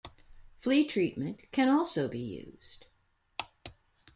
Flea treatment can also be used.